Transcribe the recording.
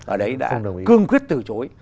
ở đấy đã cương quyết từ chối